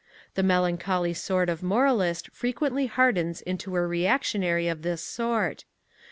The melancholy sort of moralist frequently hardens into a reactionary of this sort.